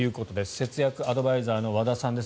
節約アドバイザーの和田さんです